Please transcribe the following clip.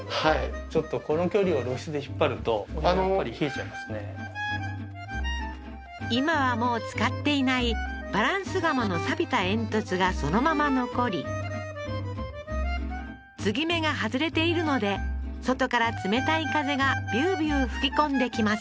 ちょっと今はもう使っていないバランス釜の錆びた煙突がそのまま残り継ぎ目が外れているので外から冷たい風がビュービュー吹き込んできます